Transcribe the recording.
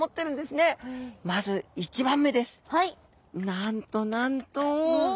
なんとなんと！